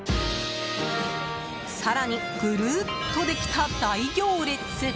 更に、ぐるーっとできた大行列！